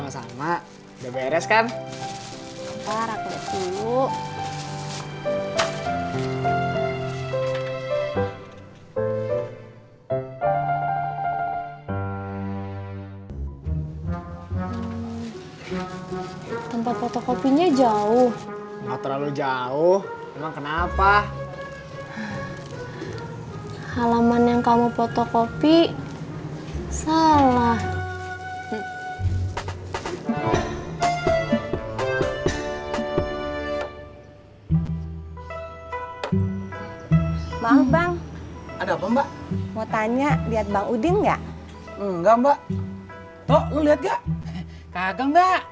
assalamualaikum waalaikumsalam nih foto kopiannya iya sama sama bereskan